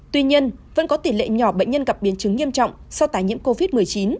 tuy nhiên vẫn có tỷ lệ nhỏ bệnh nhân gặp biến chứng nghiêm trọng do tài nhiễm covid một mươi chín